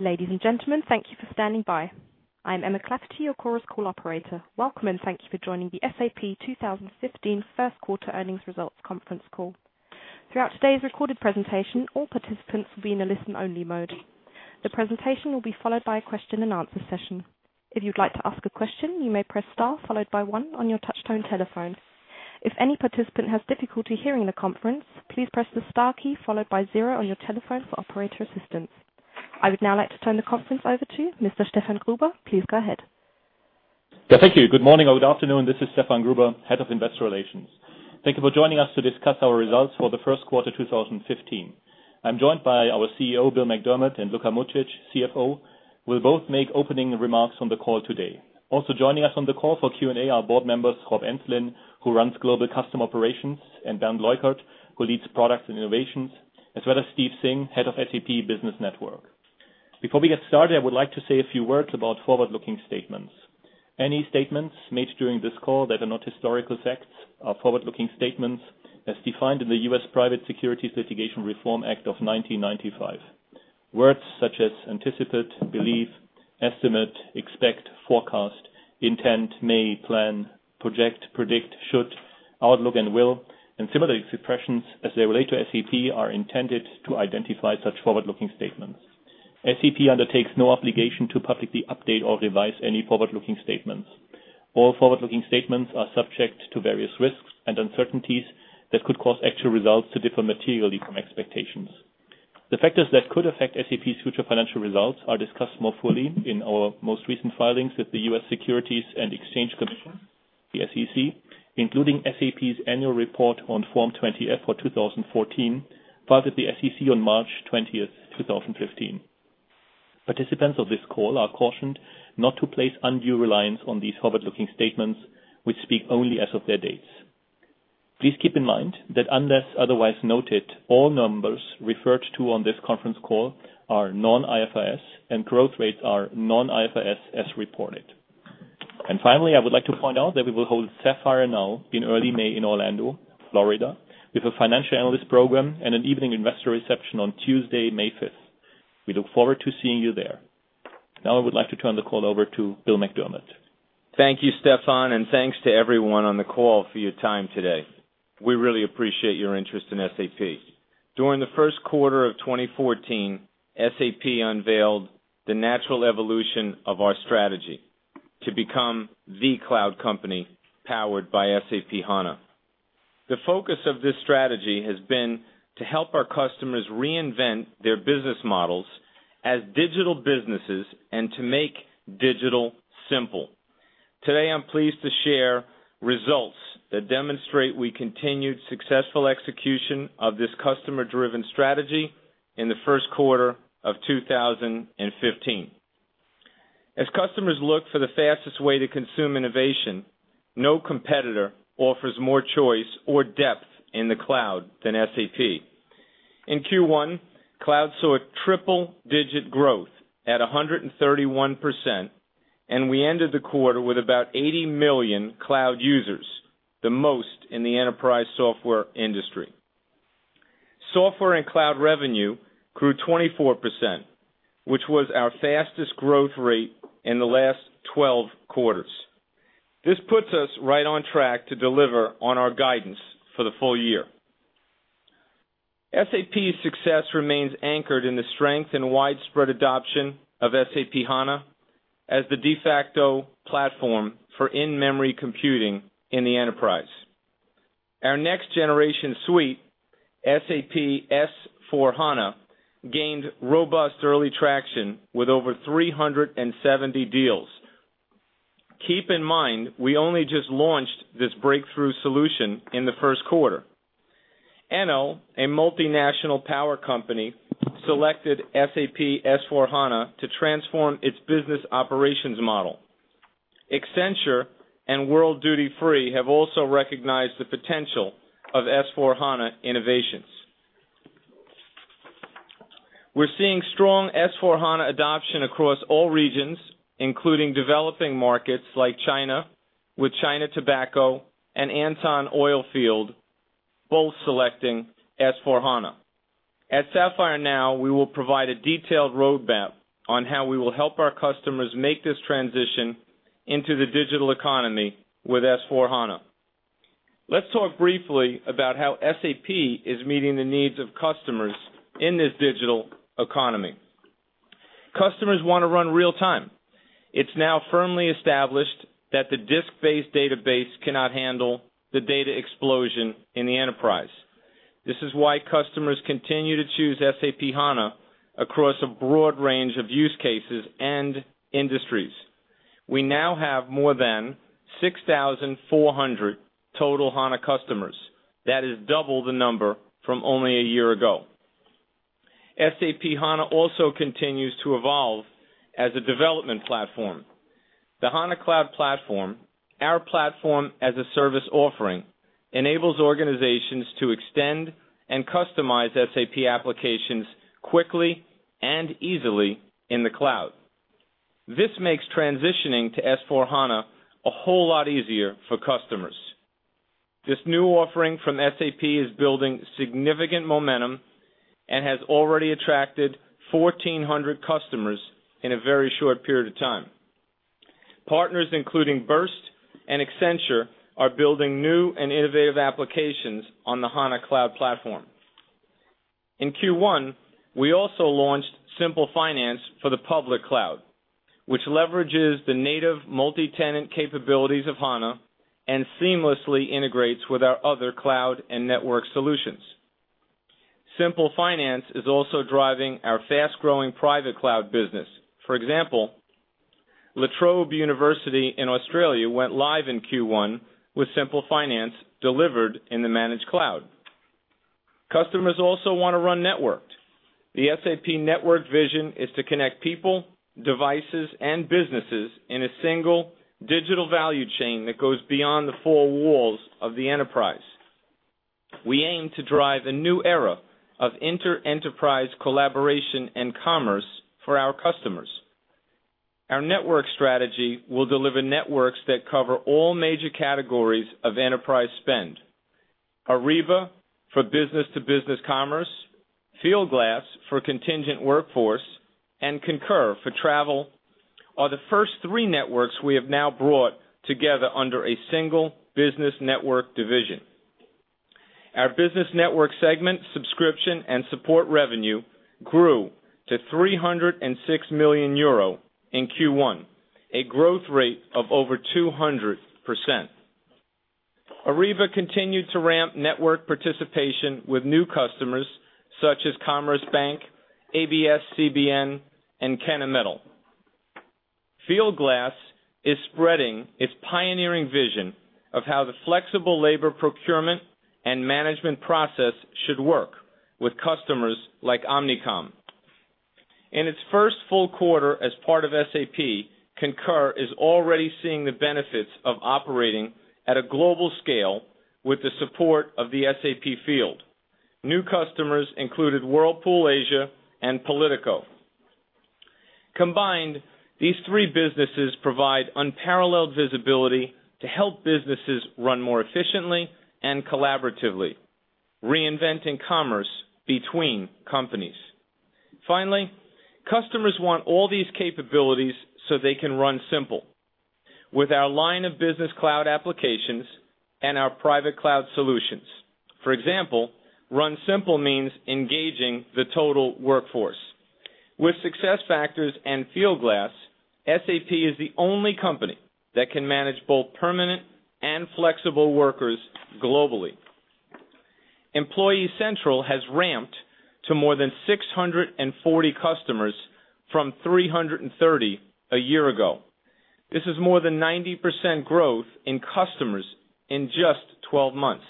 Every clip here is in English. Ladies and gentlemen, thank you for standing by. I'm Emma Clafferty, your Chorus Call operator. Welcome, and thank you for joining the SAP 2015 first quarter earnings results conference call. Throughout today's recorded presentation, all participants will be in a listen-only mode. The presentation will be followed by a question and answer session. If you'd like to ask a question, you may press star followed by one on your touch-tone telephone. If any participant has difficulty hearing the conference, please press the star key followed by zero on your telephone for operator assistance. I would now like to turn the conference over to Mr. Stefan Gruber. Please go ahead. Yeah, thank you. Good morning or good afternoon. This is Stefan Gruber, Head of Investor Relations. Thank you for joining us to discuss our results for the first quarter 2015. I'm joined by our CEO, Bill McDermott, and Luka Mucic, CFO, will both make opening remarks on the call today. Also joining us on the call for Q&A are Board Members Rob Enslin, who runs Global Customer Operations, and Bernd Leukert, who leads Product Innovations, as well as Steve Singh, Head of SAP Business Network. Before we get started, I would like to say a few words about forward-looking statements. Any statements made during this call that are not historical facts are forward-looking statements as defined in the U.S. Private Securities Litigation Reform Act of 1995. Words such as anticipate, believe, estimate, expect, forecast, intent, may, plan, project, predict, should, outlook, and will, and similar expressions as they relate to SAP are intended to identify such forward-looking statements. SAP undertakes no obligation to publicly update or revise any forward-looking statements. All forward-looking statements are subject to various risks and uncertainties that could cause actual results to differ materially from expectations. The factors that could affect SAP's future financial results are discussed more fully in our most recent filings with the U.S. Securities and Exchange Commission, the SEC, including SAP's annual report on Form 20-F for 2014, filed with the SEC on March 20th 2015. Participants of this call are cautioned not to place undue reliance on these forward-looking statements, which speak only as of their dates. Please keep in mind that unless otherwise noted, all numbers referred to on this conference call are non-IFRS, and growth rates are non-IFRS as reported. Finally, I would like to point out that we will hold SAP Sapphire Now in early May in Orlando, Florida, with a financial analyst program and an evening investor reception on Tuesday, May 5th. We look forward to seeing you there. I would like to turn the call over to Bill McDermott. Thank you, Stefan, and thanks to everyone on the call for your time today. We really appreciate your interest in SAP. During the first quarter of 2014, SAP unveiled the natural evolution of our strategy to become the cloud company powered by SAP HANA. The focus of this strategy has been to help our customers reinvent their business models as digital businesses and to make digital simple. Today, I'm pleased to share results that demonstrate we continued successful execution of this customer-driven strategy in the first quarter of 2015. As customers look for the fastest way to consume innovation, no competitor offers more choice or depth in the cloud than SAP. In Q1, cloud saw a triple-digit growth at 131%, and we ended the quarter with about 80 million cloud users, the most in the enterprise software industry. Software and cloud revenue grew 24%, which was our fastest growth rate in the last 12 quarters. This puts us right on track to deliver on our guidance for the full year. SAP's success remains anchored in the strength and widespread adoption of SAP HANA as the de facto platform for in-memory computing in the enterprise. Our next generation suite, SAP S/4HANA, gained robust early traction with over 370 deals. Keep in mind, we only just launched this breakthrough solution in the first quarter. Enel, a multinational power company, selected SAP S/4HANA to transform its business operations model. Accenture and World Duty Free have also recognized the potential of S/4HANA innovations. We're seeing strong S/4HANA adoption across all regions, including developing markets like China, with China Tobacco and Anton Oilfield both selecting S/4HANA. At SAP Sapphire Now, we will provide a detailed roadmap on how we will help our customers make this transition into the digital economy with S/4HANA. Let's talk briefly about how SAP is meeting the needs of customers in this digital economy. Customers want to run real-time. It's now firmly established that the disk-based database cannot handle the data explosion in the enterprise. This is why customers continue to choose SAP HANA across a broad range of use cases and industries. We now have more than 6,400 total HANA customers. That is double the number from only a year ago. SAP HANA also continues to evolve as a development platform. The HANA Cloud Platform, our platform as a service offering, enables organizations to extend and customize SAP applications quickly and easily in the cloud. This makes transitioning to S/4HANA a whole lot easier for customers. This new offering from SAP is building significant momentum and has already attracted 1,400 customers in a very short period of time. Partners, including Birst and Accenture, are building new and innovative applications on the HANA Cloud Platform. In Q1, we also launched SAP Simple Finance for the public cloud, which leverages the native multi-tenant capabilities of HANA and seamlessly integrates with our other cloud and network solutions. SAP Simple Finance is also driving our fast-growing private cloud business. For example, La Trobe University in Australia went live in Q1 with SAP Simple Finance delivered in the managed cloud. Customers also want to run networked. The SAP network vision is to connect people, devices, and businesses in a single digital value chain that goes beyond the four walls of the enterprise. We aim to drive a new era of inter-enterprise collaboration and commerce for our customers. Our network strategy will deliver networks that cover all major categories of enterprise spend. Ariba, for business-to-business commerce, Fieldglass for contingent workforce, and Concur for travel, are the first three networks we have now brought together under a single Business Network division. Our Business Network segment subscription and support revenue grew to 306 million euro in Q1, a growth rate of over 200%. Ariba continued to ramp network participation with new customers such as Commerce Bank, ABS-CBN, and Kennametal. Fieldglass is spreading its pioneering vision of how the flexible labor procurement and management process should work with customers like Omnicom. In its first full quarter as part of SAP, Concur is already seeing the benefits of operating at a global scale with the support of the SAP field. New customers included Whirlpool Asia and Politico. Combined, these three businesses provide unparalleled visibility to help businesses run more efficiently and collaboratively, reinventing commerce between companies. Customers want all these capabilities so they can Run Simple. With our line of business cloud applications and our private cloud solutions. Run Simple means engaging the total workforce. With SuccessFactors and Fieldglass, SAP is the only company that can manage both permanent and flexible workers globally. Employee Central has ramped to more than 640 customers from 330 a year ago. This is more than 90% growth in customers in just 12 months.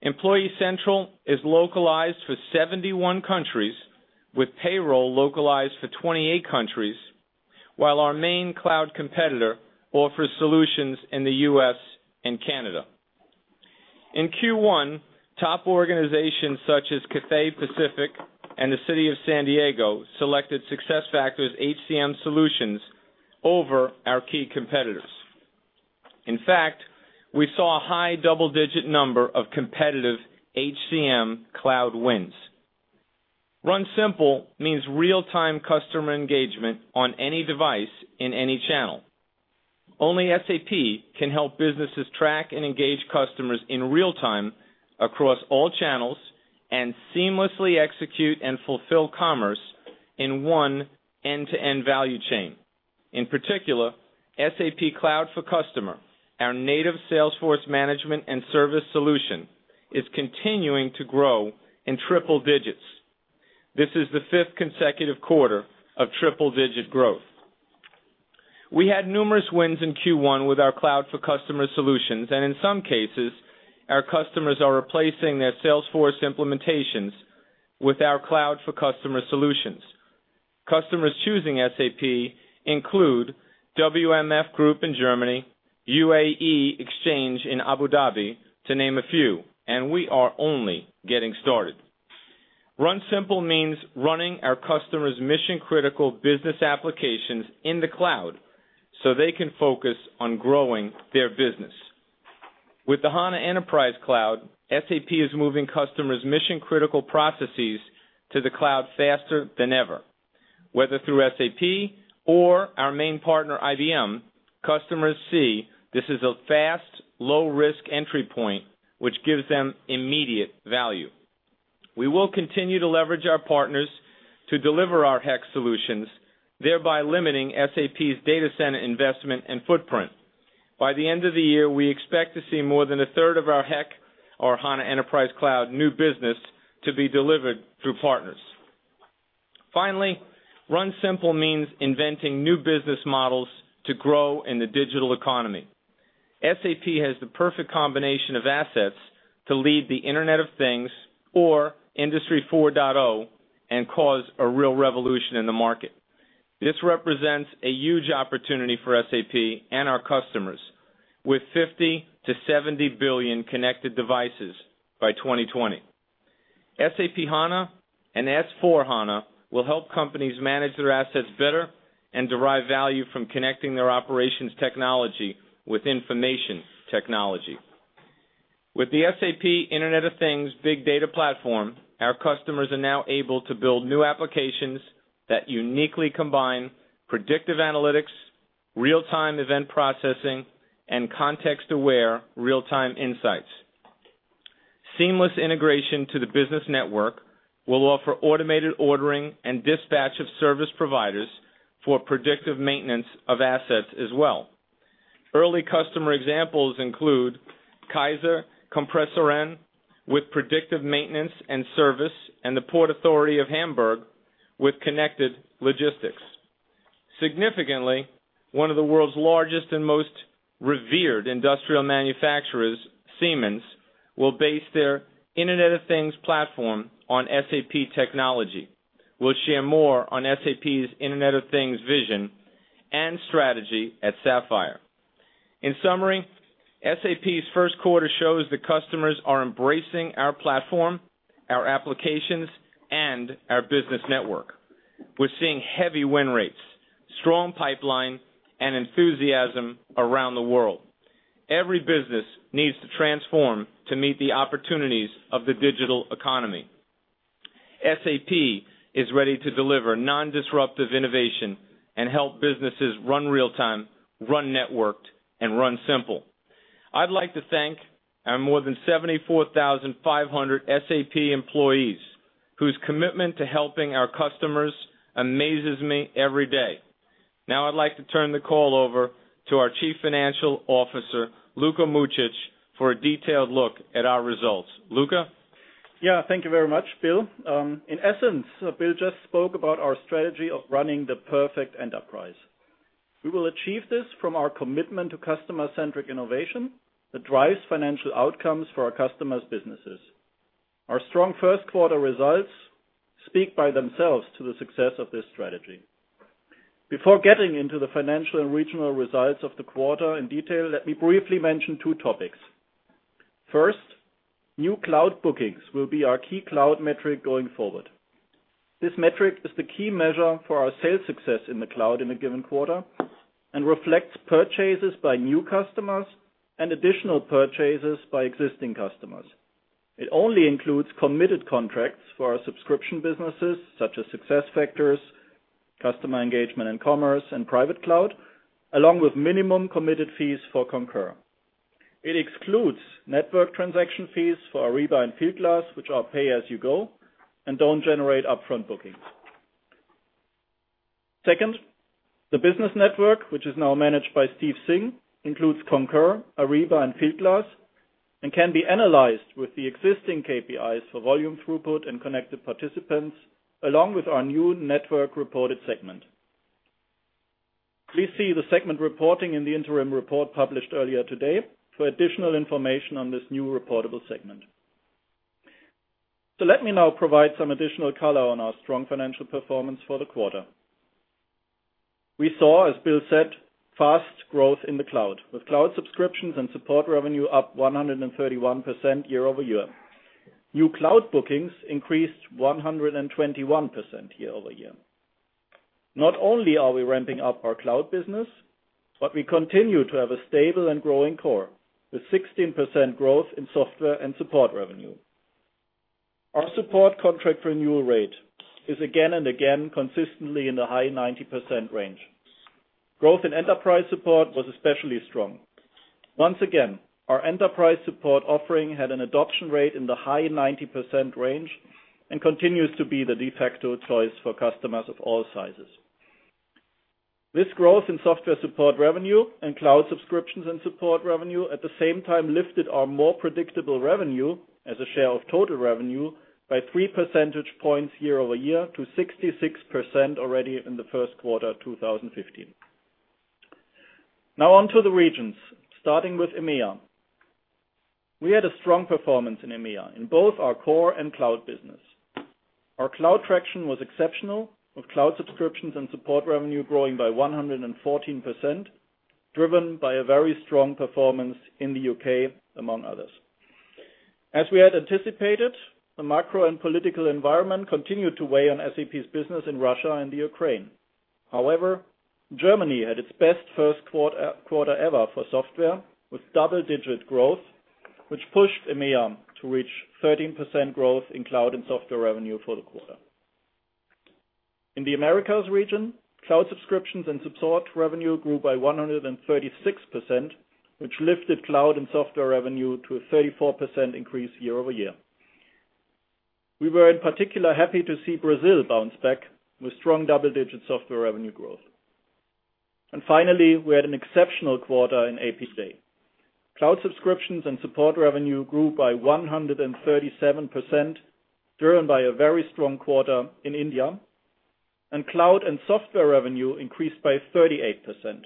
Employee Central is localized for 71 countries, with payroll localized for 28 countries, while our main cloud competitor offers solutions in the U.S. and Canada. In Q1, top organizations such as Cathay Pacific and the City of San Diego selected SuccessFactors HCM solutions over our key competitors. We saw a high double-digit number of competitive HCM cloud wins. Run Simple means real-time customer engagement on any device in any channel. Only SAP can help businesses track and engage customers in real time across all channels and seamlessly execute and fulfill commerce in one end-to-end value chain. SAP Cloud for Customer, our native Salesforce management and service solution, is continuing to grow in triple digits. This is the fifth consecutive quarter of triple-digit growth. We had numerous wins in Q1 with our Cloud for Customer solutions, and in some cases, our customers are replacing their Salesforce implementations with our Cloud for Customer solutions. Customers choosing SAP include WMF Group in Germany, UAE Exchange in Abu Dhabi, to name a few, and we are only getting started. Run Simple means running our customers' mission-critical business applications in the cloud so they can focus on growing their business. With the HANA Enterprise Cloud, SAP is moving customers' mission-critical processes to the cloud faster than ever. Whether through SAP or our main partner, IBM, customers see this is a fast, low-risk entry point, which gives them immediate value. We will continue to leverage our partners to deliver our HEC solutions, thereby limiting SAP's data center investment and footprint. By the end of the year, we expect to see more than a third of our HEC or HANA Enterprise Cloud new business to be delivered through partners. Run Simple means inventing new business models to grow in the digital economy. SAP has the perfect combination of assets to lead the Internet of Things or Industry 4.0 and cause a real revolution in the market. This represents a huge opportunity for SAP and our customers, with 50 to 70 billion connected devices by 2020. SAP HANA and SAP S/4HANA will help companies manage their assets better and derive value from connecting their operations technology with information technology. With the SAP Internet of Things Big Data platform, our customers are now able to build new applications that uniquely combine predictive analytics, real-time event processing, and context-aware real-time insights. Seamless integration to the business network will offer automated ordering and dispatch of service providers for predictive maintenance of assets as well. Early customer examples include Kaeser Kompressoren with predictive maintenance and service, and the Hamburg Port Authority with connected logistics. Significantly, one of the world's largest and most revered industrial manufacturers, Siemens, will base their Internet of Things platform on SAP technology, will share more on SAP's Internet of Things vision and strategy at Sapphire. In summary, SAP's first quarter shows that customers are embracing our platform, our applications, and our business network. We're seeing heavy win rates, strong pipeline, and enthusiasm around the world. Every business needs to transform to meet the opportunities of the digital economy. SAP is ready to deliver non-disruptive innovation and help businesses run real-time, run networked, and Run Simple. I'd like to thank our more than 74,500 SAP employees, whose commitment to helping our customers amazes me every day. Now I'd like to turn the call over to our Chief Financial Officer, Luka Mucic, for a detailed look at our results. Luka? Yeah. Thank you very much, Bill. In essence, Bill just spoke about our strategy of running the perfect enterprise. We will achieve this from our commitment to customer-centric innovation that drives financial outcomes for our customers' businesses. Our strong first quarter results speak by themselves to the success of this strategy. Before getting into the financial and regional results of the quarter in detail, let me briefly mention two topics. First, new cloud bookings will be our key cloud metric going forward. This metric is the key measure for our sales success in the cloud in a given quarter, and reflects purchases by new customers and additional purchases by existing customers. It only includes committed contracts for our subscription businesses, such as SuccessFactors, customer engagement and commerce, and private cloud, along with minimum committed fees for Concur. It excludes network transaction fees for Ariba and Fieldglass, which are pay-as-you-go and don't generate upfront bookings. Second, the SAP Business Network, which is now managed by Steve Singh, includes Concur, Ariba, and Fieldglass, and can be analyzed with the existing KPIs for volume throughput and connected participants, along with our new network reported segment. Please see the segment reporting in the interim report published earlier today for additional information on this new reportable segment. Let me now provide some additional color on our strong financial performance for the quarter. We saw, as Bill said, fast growth in the cloud, with cloud subscriptions and support revenue up 131% year-over-year. New cloud bookings increased 121% year-over-year. Not only are we ramping up our cloud business, but we continue to have a stable and growing core, with 16% growth in software and support revenue. Our support contract renewal rate is again and again consistently in the high 90% range. Growth in SAP Enterprise Support was especially strong. Once again, our SAP Enterprise Support offering had an adoption rate in the high 90% range and continues to be the de facto choice for customers of all sizes. This growth in software support revenue and cloud subscriptions and support revenue at the same time lifted our more predictable revenue as a share of total revenue by three percentage points year-over-year to 66% already in the first quarter 2015. On to the regions, starting with EMEA. We had a strong performance in EMEA in both our core and cloud business. Our cloud traction was exceptional, with cloud subscriptions and support revenue growing by 114%, driven by a very strong performance in the U.K., among others. As we had anticipated, the macro and political environment continued to weigh on SAP's business in Russia and the Ukraine. Germany had its best first quarter ever for software with double-digit growth, which pushed EMEA to reach 13% growth in cloud and software revenue for the quarter. In the Americas region, cloud subscriptions and support revenue grew by 136%, which lifted cloud and software revenue to a 34% increase year-over-year. We were in particular happy to see Brazil bounce back with strong double-digit software revenue growth. Finally, we had an exceptional quarter in APJ. Cloud subscriptions and support revenue grew by 137%, driven by a very strong quarter in India, and cloud and software revenue increased by 38%.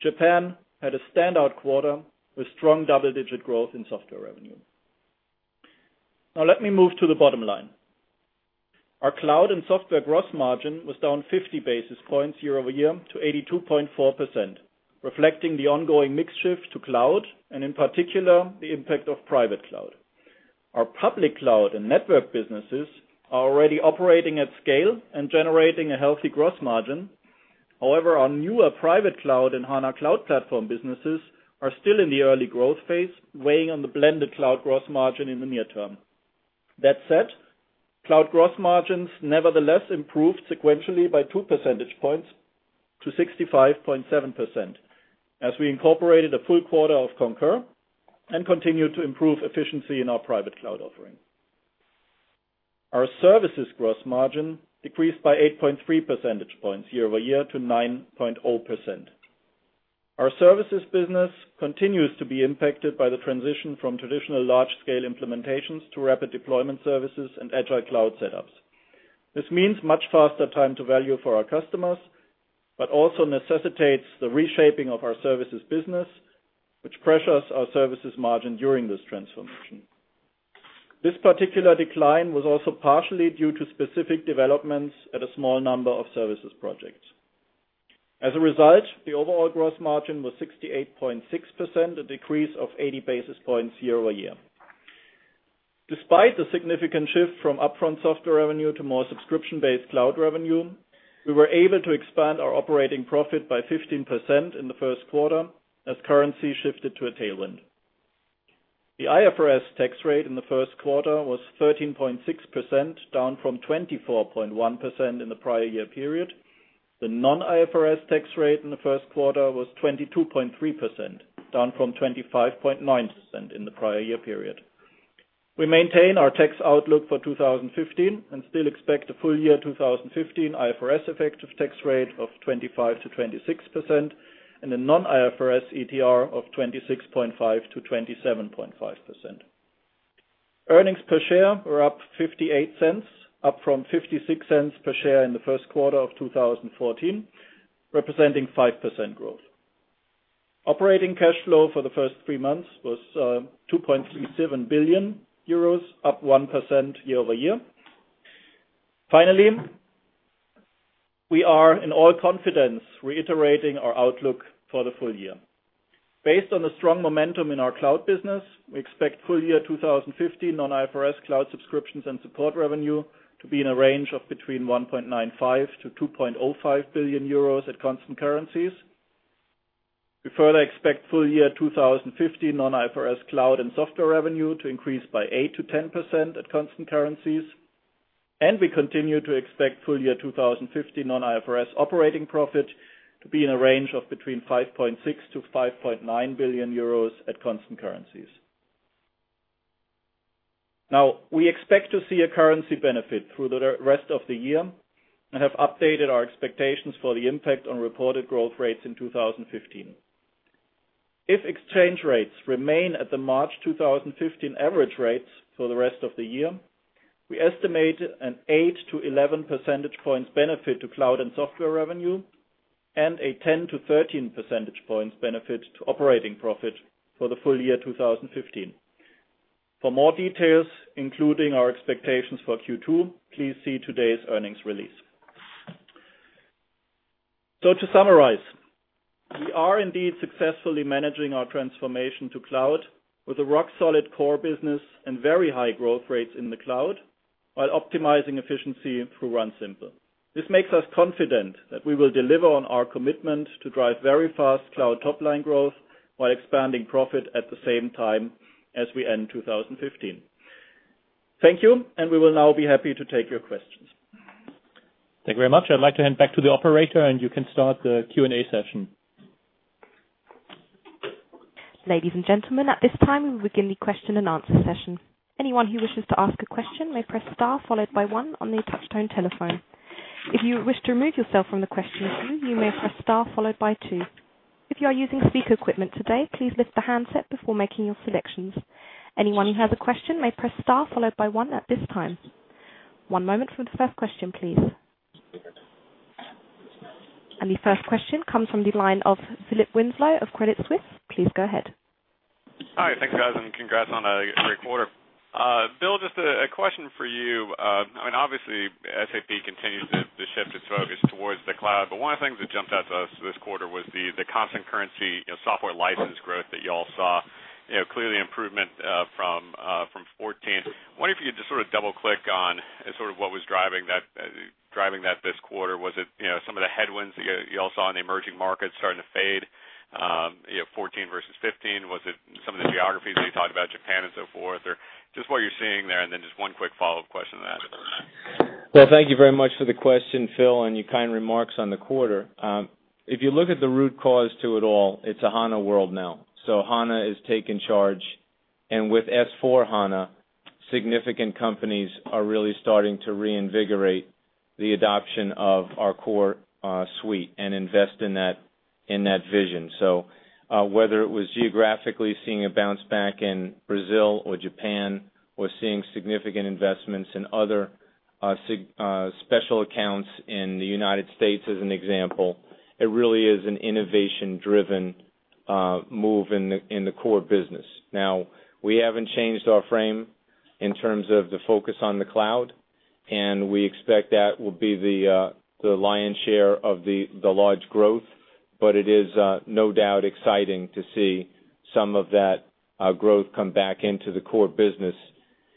Japan had a standout quarter with strong double-digit growth in software revenue. Let me move to the bottom line. Our cloud and software gross margin was down 50 basis points year-over-year to 82.4%, reflecting the ongoing mix shift to cloud, and in particular, the impact of private cloud. Our public cloud and network businesses are already operating at scale and generating a healthy gross margin. Our newer private cloud and HANA Cloud Platform businesses are still in the early growth phase, weighing on the blended cloud gross margin in the near term. That said, cloud gross margins nevertheless improved sequentially by two percentage points to 65.7%, as we incorporated a full quarter of Concur and continued to improve efficiency in our private cloud offering. Our services gross margin decreased by 8.3 percentage points year-over-year to 9.0%. Our services business continues to be impacted by the transition from traditional large-scale implementations to rapid deployment services and agile cloud setups. This means much faster time to value for our customers, but also necessitates the reshaping of our services business, which pressures our services margin during this transformation. This particular decline was also partially due to specific developments at a small number of services projects. As a result, the overall gross margin was 68.6%, a decrease of 80 basis points year-over-year. Despite the significant shift from upfront software revenue to more subscription-based cloud revenue, we were able to expand our operating profit by 15% in the first quarter, as currency shifted to a tailwind. The IFRS tax rate in the first quarter was 13.6%, down from 24.1% in the prior year period. The non-IFRS tax rate in the first quarter was 22.3%, down from 25.9% in the prior year period. We maintain our tax outlook for 2015 and still expect a full year 2015 IFRS effective tax rate of 25%-26%, and a non-IFRS ETR of 26.5%-27.5%. Earnings per share were up 0.58, up from 0.56 per share in the first quarter of 2014, representing 5% growth. Operating cash flow for the first three months was 2.37 billion euros, up 1% year-over-year. We are in all confidence reiterating our outlook for the full year. Based on the strong momentum in our cloud business, we expect full year 2015 non-IFRS cloud subscriptions and support revenue to be in a range of between 1.95 billion-2.05 billion euros at constant currencies. We further expect full year 2015 non-IFRS cloud and software revenue to increase by 8%-10% at constant currencies. We continue to expect full year 2015 non-IFRS operating profit to be in a range of between 5.6 billion-5.9 billion euros at constant currencies. We expect to see a currency benefit through the rest of the year and have updated our expectations for the impact on reported growth rates in 2015. If exchange rates remain at the March 2015 average rates for the rest of the year, we estimate an 8-11 percentage points benefit to cloud and software revenue, and a 10-13 percentage points benefit to operating profit for the full year 2015. For more details, including our expectations for Q2, please see today's earnings release. To summarize, we are indeed successfully managing our transformation to cloud with a rock-solid core business and very high growth rates in the cloud, while optimizing efficiency through Run Simple. This makes us confident that we will deliver on our commitment to drive very fast cloud top-line growth while expanding profit at the same time as we end 2015. Thank you. We will now be happy to take your questions. Thank you very much. I'd like to hand back to the operator. You can start the Q&A session. Ladies and gentlemen, at this time, we begin the question and answer session. Anyone who wishes to ask a question may press star, followed by one on their touch-tone telephone. If you wish to remove yourself from the question queue, you may press star followed by two. If you are using speaker equipment today, please lift the handset before making your selections. Anyone who has a question may press star followed by one at this time. One moment for the first question, please. The first question comes from the line of Philip Winslow of Credit Suisse. Please go ahead. Hi. Thanks, guys, and congrats on a great quarter. Bill, just a question for you. Obviously, SAP continues to shift its focus towards the cloud, but one of the things that jumped out to us this quarter was the constant currency software license growth that you all saw, clearly improvement from 2014. I wonder if you could just double-click on what was driving that this quarter. Was it some of the headwinds that you all saw in the emerging markets starting to fade, 2014 versus 2015? Was it some of the geographies that you talked about, Japan and so forth? Or just what you're seeing there, and then just one quick follow-up question to that. Well, thank you very much for the question, Phil, and your kind remarks on the quarter. If you look at the root cause to it all, it's a HANA world now. HANA has taken charge, and with S/4HANA, significant companies are really starting to reinvigorate the adoption of our core suite and invest in that vision. Whether it was geographically seeing a bounce back in Brazil or Japan, or seeing significant investments in other special accounts in the U.S., as an example, it really is an innovation-driven Move in the core business. Now, we haven't changed our frame in terms of the focus on the cloud, and we expect that will be the lion's share of the large growth, but it is no doubt exciting to see some of that growth come back into the core business.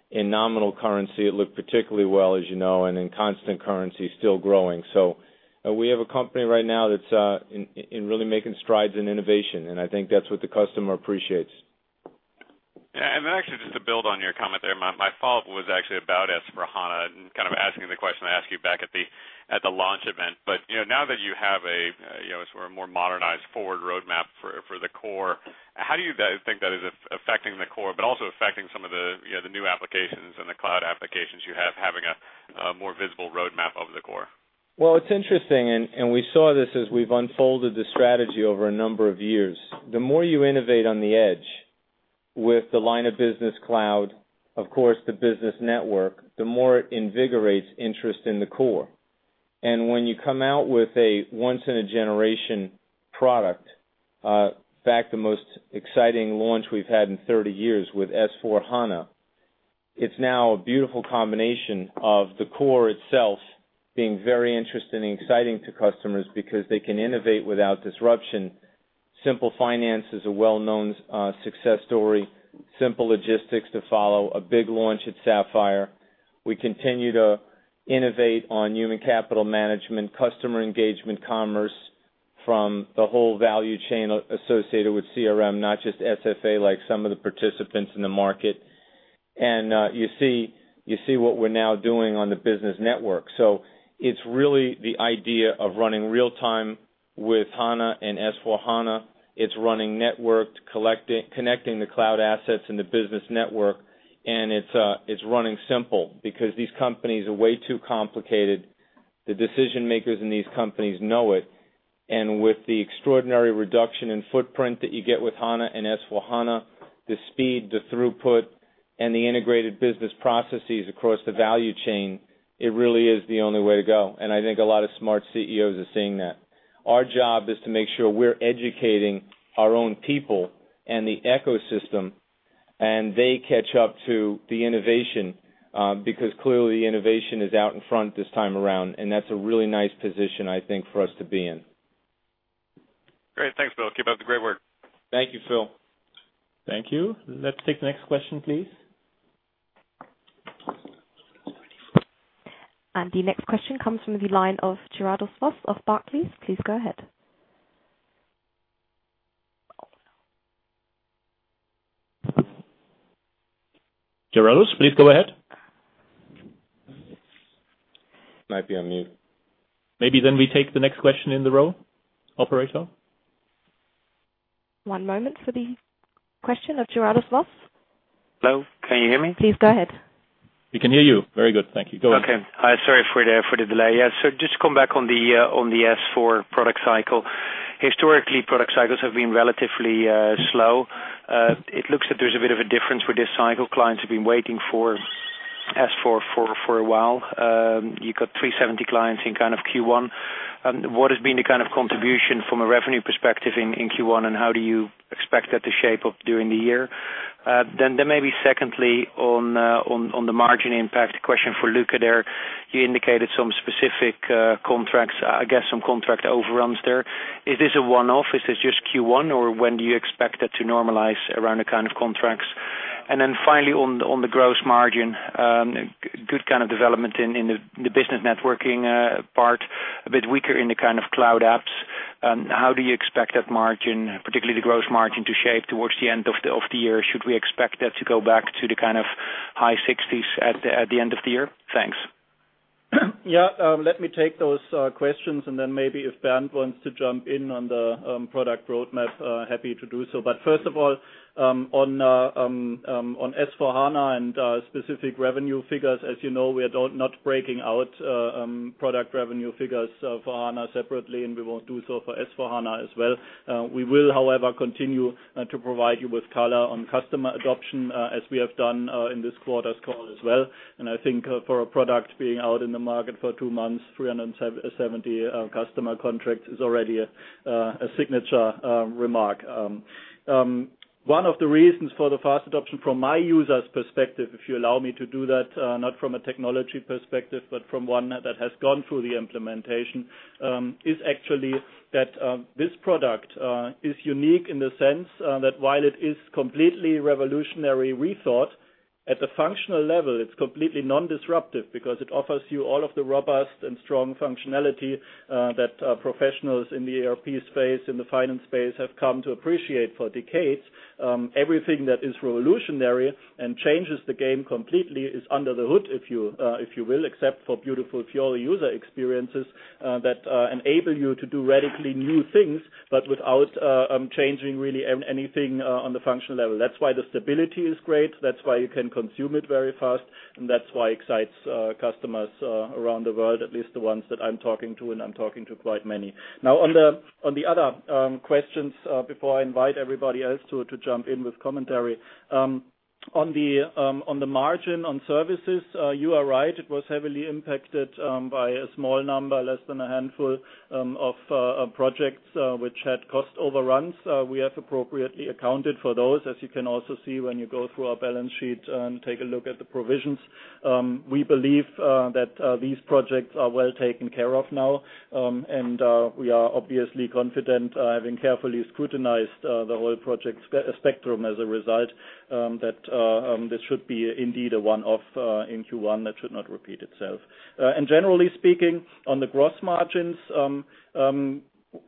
In nominal currency, it looked particularly well, as you know, and in constant currency, still growing. We have a company right now that's really making strides in innovation, and I think that's what the customer appreciates. Actually, just to build on your comment there, my follow-up was actually about S/4HANA and kind of asking the question I asked you back at the launch event. Now that you have a more modernized forward roadmap for the core, how do you guys think that is affecting the core, but also affecting some of the new applications and the cloud applications you have, having a more visible roadmap of the core? It's interesting, and we saw this as we've unfolded the strategy over a number of years. The more you innovate on the edge with the line of business cloud, of course, the business network, the more it invigorates interest in the core. When you come out with a once-in-a-generation product, in fact, the most exciting launch we've had in 30 years with S/4HANA, it's now a beautiful combination of the core itself being very interesting and exciting to customers because they can innovate without disruption. Simple Finance is a well-known success story, Simple Logistics to follow, a big launch at Sapphire. We continue to innovate on human capital management, customer engagement, commerce from the whole value chain associated with CRM, not just SFA, like some of the participants in the market. You see what we're now doing on the business network. It's really the idea of running real-time with HANA and S/4HANA. It's running networked, connecting the cloud assets in the business network, and it's running simple because these companies are way too complicated. The decision-makers in these companies know it, with the extraordinary reduction in footprint that you get with HANA and S/4HANA, the speed, the throughput, and the integrated business processes across the value chain, it really is the only way to go. I think a lot of smart CEOs are seeing that. Our job is to make sure we're educating our own people and the ecosystem, they catch up to the innovation, because clearly innovation is out in front this time around, that's a really nice position, I think, for us to be in. Great. Thanks, Bill. Keep up the great work. Thank you, Phil. Thank you. Let's take the next question, please. The next question comes from the line of Gerardus Vos of Barclays. Please go ahead. Gerardus, please go ahead. Might be on mute. Maybe we take the next question in the row, operator. One moment for the question of Gerardus Vos. Hello, can you hear me? Please go ahead. We can hear you. Very good. Thank you. Go ahead. Sorry for the delay. Just to come back on the S/4 product cycle. Historically, product cycles have been relatively slow. It looks that there's a bit of a difference with this cycle. Clients have been waiting for S/4 for a while. You got 370 clients in Q1. What has been the kind of contribution from a revenue perspective in Q1, and how do you expect that to shape up during the year? Maybe secondly, on the margin impact question for Luka there, you indicated some specific contracts, I guess some contract overruns there. Is this a one-off? Is this just Q1, or when do you expect that to normalize around the kind of contracts? Finally, on the gross margin, good development in the business networking part, a bit weaker in the cloud apps. How do you expect that margin, particularly the gross margin, to shape towards the end of the year? Should we expect that to go back to the high 60s at the end of the year? Thanks. Let me take those questions, then maybe if Bernd wants to jump in on the product roadmap, happy to do so. First of all, on S/4HANA and specific revenue figures, as you know, we are not breaking out product revenue figures for HANA separately, and we won't do so for S/4HANA as well. We will, however, continue to provide you with color on customer adoption as we have done in this quarter's call as well. I think for a product being out in the market for two months, 370 customer contracts is already a signature remark. One of the reasons for the fast adoption from my user's perspective, if you allow me to do that, not from a technology perspective, but from one that has gone through the implementation, is actually that this product is unique in the sense that while it is completely revolutionary rethought at the functional level, it's completely non-disruptive because it offers you all of the robust and strong functionality that professionals in the ERP space, in the finance space have come to appreciate for decades. Everything that is revolutionary and changes the game completely is under the hood, if you will, except for beautiful Fiori user experiences that enable you to do radically new things, but without changing really anything on the functional level. That's why the stability is great. That's why you can consume it very fast, that's why it excites customers around the world, at least the ones that I'm talking to, and I'm talking to quite many. On the other questions, before I invite everybody else to jump in with commentary On the margin on services, you are right. It was heavily impacted by a small number, less than a handful of projects which had cost overruns. We have appropriately accounted for those, as you can also see when you go through our balance sheet and take a look at the provisions. We believe that these projects are well taken care of now, and we are obviously confident, having carefully scrutinized the whole project spectrum as a result, that this should be indeed a one-off in Q1 that should not repeat itself. Generally speaking, on the gross margins,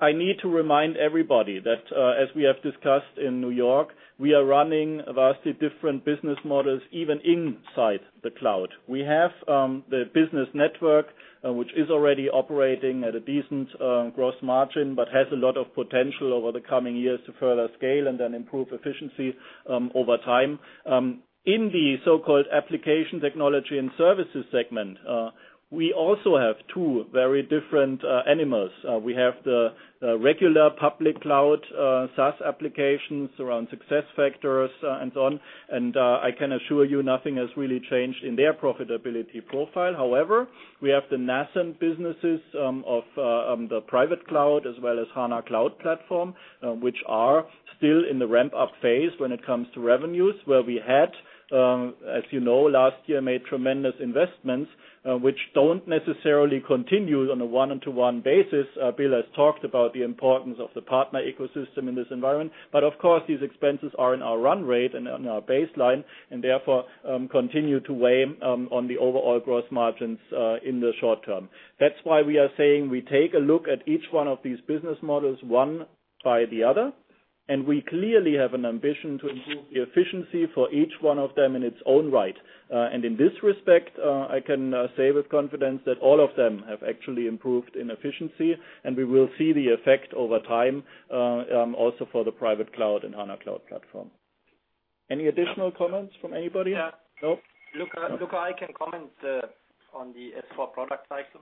I need to remind everybody that, as we have discussed in New York, we are running vastly different business models, even inside the cloud. We have the business network, which is already operating at a decent gross margin, but has a lot of potential over the coming years to further scale and then improve efficiency over time. In the so-called application technology and services segment, we also have two very different animals. We have the regular public cloud SaaS applications around SuccessFactors and so on, I can assure you nothing has really changed in their profitability profile. We have the nascent businesses of the private cloud as well as HANA Cloud Platform, which are still in the ramp-up phase when it comes to revenues, where we had, as you know, last year made tremendous investments which don't necessarily continue on a one-into-one basis. Bill has talked about the importance of the partner ecosystem in this environment. Of course, these expenses are in our run rate and in our baseline, and therefore continue to weigh on the overall gross margins in the short term. That's why we are saying we take a look at each one of these business models, one by the other, and we clearly have an ambition to improve the efficiency for each one of them in its own right. In this respect, I can say with confidence that all of them have actually improved in efficiency, and we will see the effect over time also for the private cloud and HANA Cloud Platform. Any additional comments from anybody? Yeah. No? Luka, I can comment on the S/4 product cycle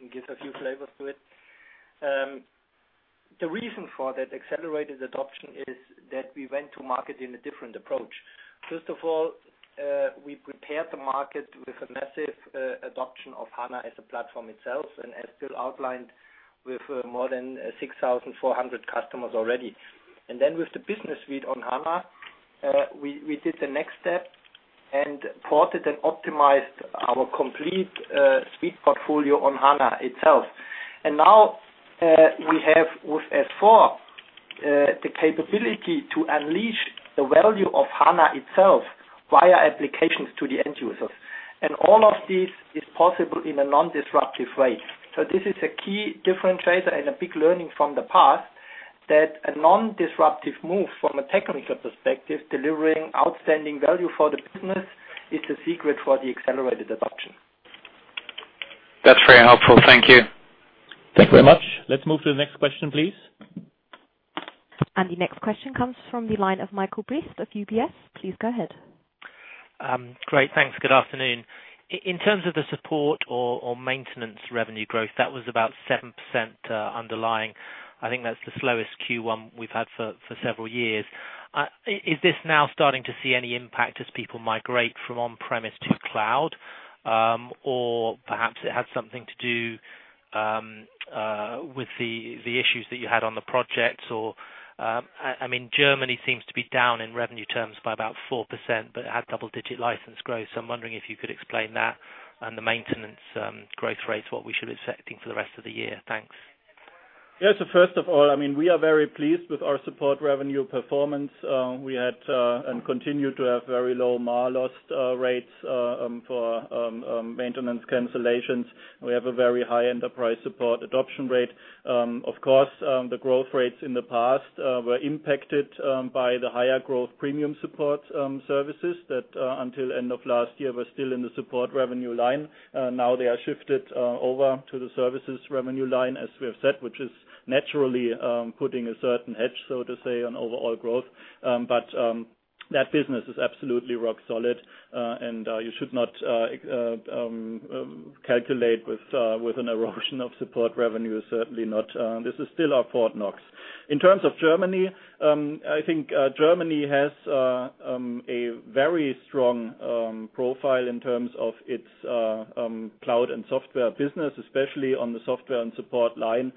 and give a few flavors to it. The reason for that accelerated adoption is that we went to market in a different approach. First of all, we prepared the market with a massive adoption of HANA as a platform itself and as Bill outlined, with more than 6,400 customers already. Then with the business suite on HANA, we did the next step and ported and optimized our complete suite portfolio on HANA itself. Now we have with S/4, the capability to unleash the value of HANA itself via applications to the end users. All of this is possible in a non-disruptive way. This is a key differentiator and a big learning from the past, that a non-disruptive move from a technical perspective, delivering outstanding value for the business, is the secret for the accelerated adoption. That's very helpful. Thank you. Thank you very much. Let's move to the next question, please. The next question comes from the line of Michael Briest of UBS. Please go ahead. Great, thanks. Good afternoon. In terms of the support or maintenance revenue growth, that was about 7% underlying. I think that's the slowest Q1 we've had for several years. Is this now starting to see any impact as people migrate from on-premise to cloud? Or perhaps it had something to do with the issues that you had on the projects. Germany seems to be down in revenue terms by about 4%, but it had double-digit license growth. I'm wondering if you could explain that and the maintenance growth rates, what we should be expecting for the rest of the year. Thanks. First of all, we are very pleased with our support revenue performance. We had and continue to have very low MAR lost rates for maintenance cancellations. We have a very high SAP Enterprise Support adoption rate. Of course, the growth rates in the past were impacted by the higher growth premium support services that until end of last year, were still in the support revenue line. Now they are shifted over to the services revenue line, as we have said, which is naturally putting a certain edge, so to say, on overall growth. That business is absolutely rock solid, and you should not calculate with an erosion of support revenue, certainly not. This is still our Fort Knox. In terms of Germany, I think Germany has a very strong profile in terms of its cloud and software business, especially on the software and support line,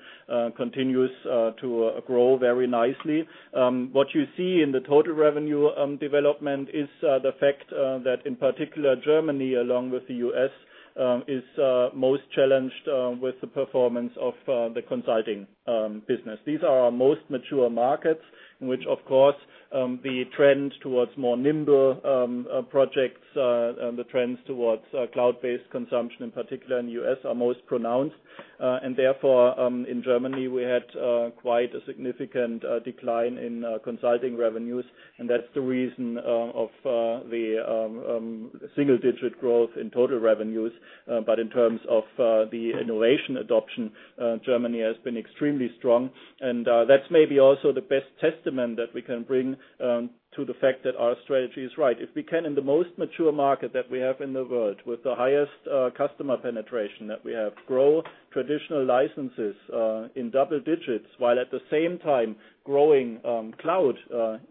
continues to grow very nicely. What you see in the total revenue development is the fact that in particular, Germany, along with the U.S., is most challenged with the performance of the consulting business. These are our most mature markets, in which, of course, the trend towards more nimble projects and the trends towards cloud-based consumption, in particular in the U.S., are most pronounced. Therefore, in Germany, we had quite a significant decline in consulting revenues, and that's the reason of the single-digit growth in total revenues. In terms of the innovation adoption, Germany has been extremely strong, and that's maybe also the best testament that we can bring to the fact that our strategy is right. If we can in the most mature market that we have in the world, with the highest customer penetration that we have, grow traditional licenses in double digits while at the same time growing cloud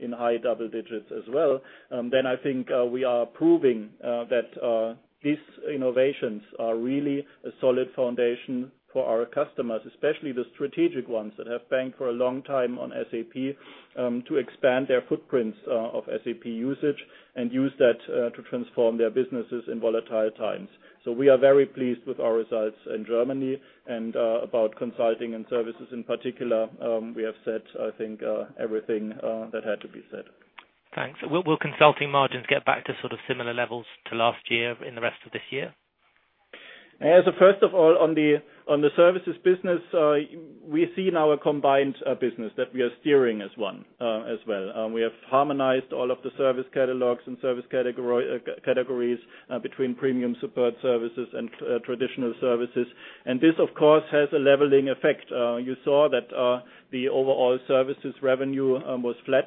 in high double digits as well, then I think we are proving that these innovations are really a solid foundation for our customers, especially the strategic ones that have banked for a long time on SAP to expand their footprints of SAP usage and use that to transform their businesses in volatile times. We are very pleased with our results in Germany and about consulting and services in particular, we have said, I think, everything that had to be said. Thanks. Will consulting margins get back to sort of similar levels to last year in the rest of this year? First of all, on the services business, we see now a combined business that we are steering as one as well. We have harmonized all of the service catalogs and service categories between premium support services and traditional services. This, of course, has a leveling effect. You saw that the overall services revenue was flat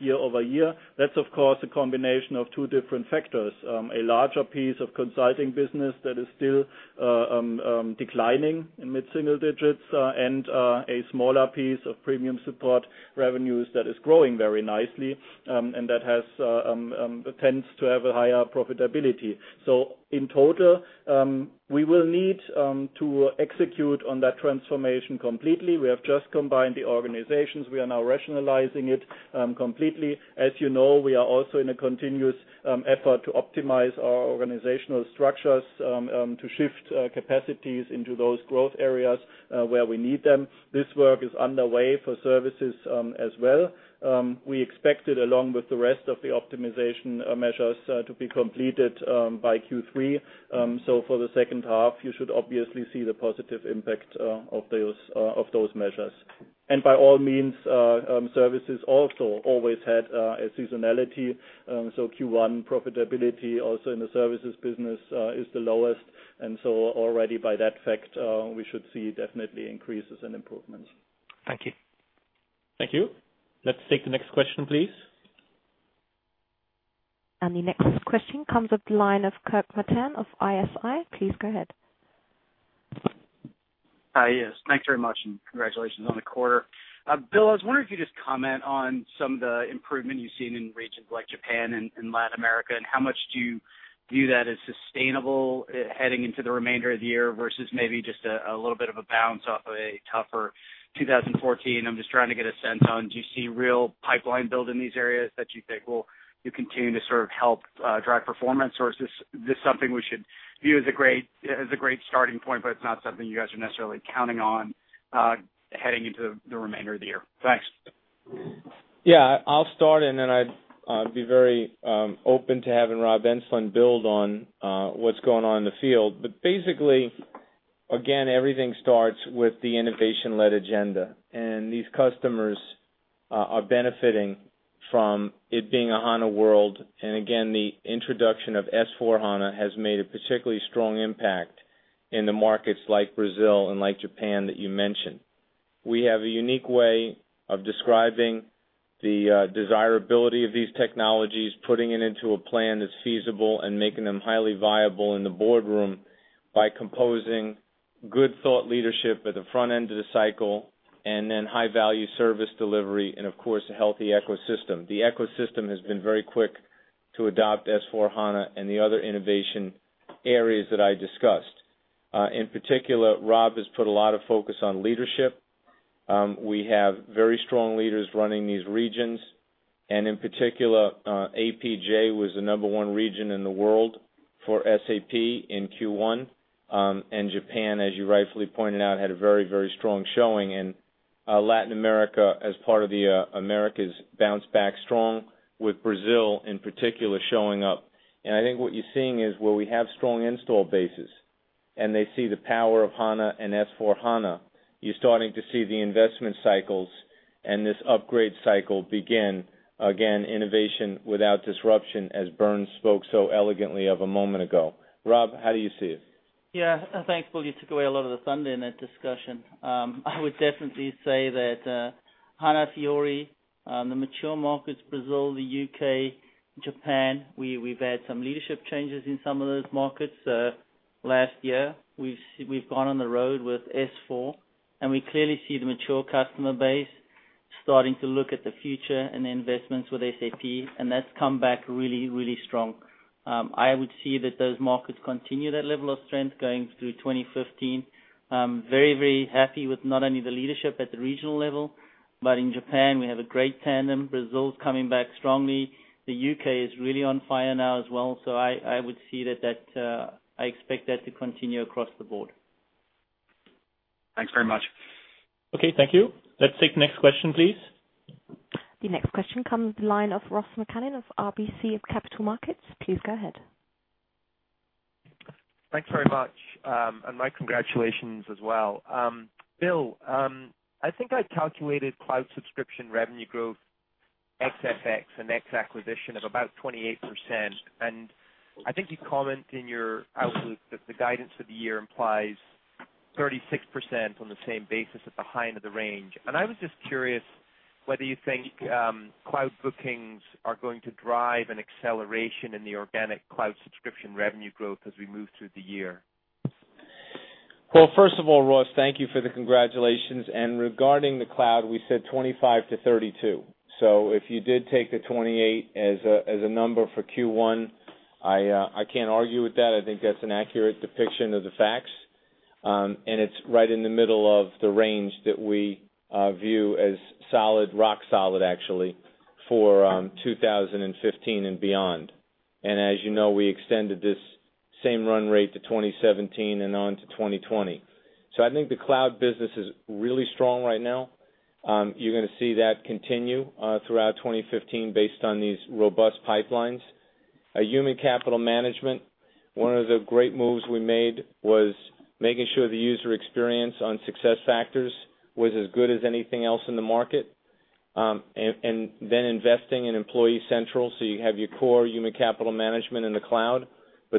year-over-year. That's, of course, a combination of two different factors. A larger piece of consulting business that is still declining in mid-single digits and a smaller piece of premium support revenues that is growing very nicely, and that tends to have a higher profitability. In total, we will need to execute on that transformation completely. We have just combined the organizations. We are now rationalizing it completely. As you know, we are also in a continuous effort to optimize our organizational structures, to shift capacities into those growth areas where we need them. This work is underway for services as well. We expect it, along with the rest of the optimization measures, to be completed by Q3. For the second half, you should obviously see the positive impact of those measures. By all means, services also always had a seasonality. Q1 profitability, also in the services business, is the lowest. Already by that fact, we should see definitely increases and improvements. Thank you. Thank you. Let's take the next question, please. The next question comes with the line of Kirk Materne of ISI. Please go ahead. Hi. Yes, thanks very much and congratulations on the quarter. Bill, I was wondering if you could just comment on some of the improvement you've seen in regions like Japan and Latin America, how much do you view that as sustainable heading into the remainder of the year versus maybe just a little bit of a bounce off a tougher 2014? I'm just trying to get a sense on, do you see real pipeline build in these areas that you think will continue to sort of help drive performance? Is this something we should view as a great starting point, it's not something you guys are necessarily counting on heading into the remainder of the year? Thanks. I'll start, then I'd be very open to having Rob Enslin build on what's going on in the field. Basically, again, everything starts with the innovation-led agenda. These customers are benefiting from it being a HANA world. Again, the introduction of S/4HANA has made a particularly strong impact in the markets like Brazil and like Japan that you mentioned. We have a unique way of describing the desirability of these technologies, putting it into a plan that's feasible, and making them highly viable in the boardroom by composing good thought leadership at the front end of the cycle then high-value service delivery and, of course, a healthy ecosystem. The ecosystem has been very quick to adopt S/4HANA and the other innovation areas that I discussed. In particular, Rob has put a lot of focus on leadership. We have very strong leaders running these regions, in particular, APJ was the number one region in the world for SAP in Q1. Japan, as you rightfully pointed out, had a very strong showing in Latin America as part of the Americas bounce back strong with Brazil in particular showing up. I think what you're seeing is where we have strong install bases and they see the power of HANA and S/4HANA, you're starting to see the investment cycles and this upgrade cycle begin. Again, innovation without disruption, as Bernd spoke so elegantly of a moment ago. Rob, how do you see it? Thanks, Bill. You took away a lot of the thunder in that discussion. I would definitely say that HANA Fiori, the mature markets, Brazil, the U.K., Japan, we've had some leadership changes in some of those markets. Last year, we've gone on the road with S/4, we clearly see the mature customer base starting to look at the future and the investments with SAP, that's come back really strong. I would see that those markets continue that level of strength going through 2015. I'm very happy with not only the leadership at the regional level, but in Japan, we have a great tandem. Brazil is coming back strongly. The U.K. is really on fire now as well. I would see that I expect that to continue across the board. Thanks very much. Okay. Thank you. Let's take the next question, please. The next question comes to the line of Ross MacMillan of RBC Capital Markets. Please go ahead. Thanks very much. My congratulations as well. Bill, I think I calculated cloud subscription revenue growth ex FX and ex acquisition of about 28%. I think you comment in your outlook that the guidance for the year implies 36% on the same basis at the high end of the range. I was just curious whether you think cloud bookings are going to drive an acceleration in the organic cloud subscription revenue growth as we move through the year. Well, first of all, Ross, thank you for the congratulations. Regarding the cloud, we said 25%-32%. If you did take the 28 as a number for Q1, I can't argue with that. I think that's an accurate depiction of the facts. It's right in the middle of the range that we view as solid, rock solid, actually, for 2015 and beyond. As you know, we extended this same run rate to 2017 and on to 2020. I think the cloud business is really strong right now. You're going to see that continue throughout 2015 based on these robust pipelines. Human capital management, one of the great moves we made was making sure the user experience on SuccessFactors was as good as anything else in the market. Then investing in Employee Central, so you have your core human capital management in the cloud.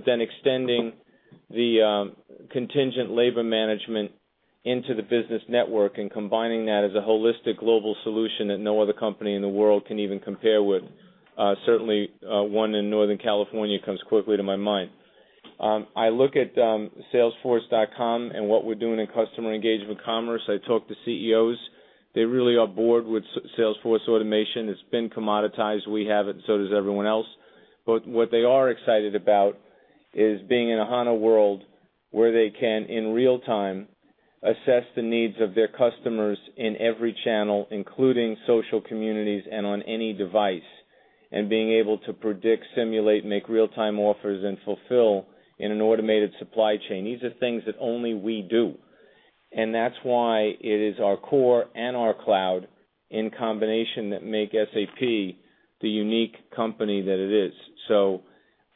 Then extending the contingent labor management into the Business Network and combining that as a holistic global solution that no other company in the world can even compare with. Certainly, one in Northern California comes quickly to my mind. I look at salesforce.com and what we're doing in customer engagement commerce. I talk to CEOs. They really are bored with Salesforce automation. It's been commoditized. We have it, and so does everyone else. What they are excited about is being in a HANA world where they can, in real time, assess the needs of their customers in every channel, including social communities and on any device. Being able to predict, simulate, make real-time offers, and fulfill in an automated supply chain. These are things that only we do. That's why it is our core and our cloud in combination that make SAP the unique company that it is.